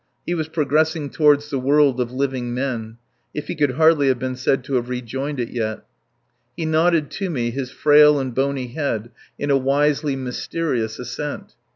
He was progressing toward the world of living men; if he could hardly have been said to have rejoined it yet. He nodded to me his frail and bony head in a wisely mysterious assent.